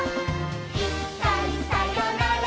「いっかいさよなら